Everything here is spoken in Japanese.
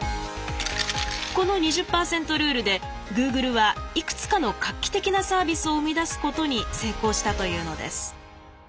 この２０％ルールでグーグルはいくつかの画期的なサービスを生み出すことに成功したというのです。